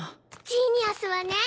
ジーニアスはね